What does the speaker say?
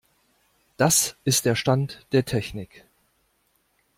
Das ist der Stand der Technik.